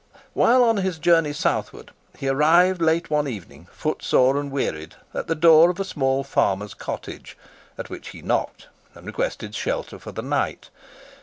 While on his journey southward he arrived late one evening, footsore and wearied, at the door of a small farmer's cottage, at which he knocked, and requested shelter for the night.